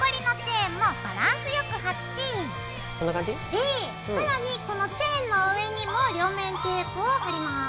で更にこのチェーンの上にも両面テープを貼ります。